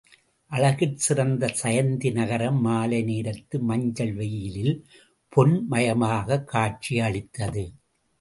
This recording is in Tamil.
அழகிற் சிறந்த சயந்தி நகரம் மாலை நேரத்து மஞ்சள் வெயிலில் பொன் மயமாகக் காட்சி அளித்தது.